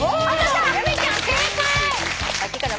由美ちゃん正解！